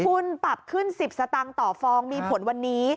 คุณปรับขึ้น๑๐สตางค์ต่อฟองมีผลวันนี้